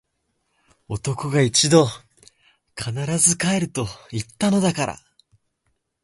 男が一度・・・！！！必ず帰ると言ったのだから！！！